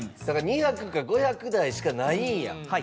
だから２００か５００台しかないんや。